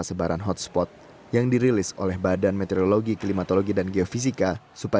sehingga sebagian sudah datang ke sekolah